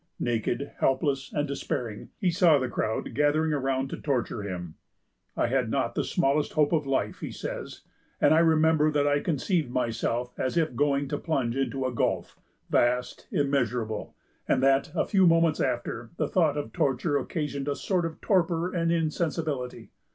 Naked, helpless, and despairing, he saw the crowd gathering around to torture him. "I had not the smallest hope of life," he says, "and I remember that I conceived myself as if going to plunge into a gulf, vast, immeasurable; and that, a few moments after, the thought of torture occasioned a sort of torpor and insensibility.